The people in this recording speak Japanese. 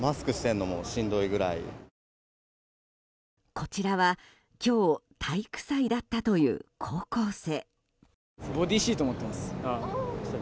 こちらは今日体育祭だったという高校生。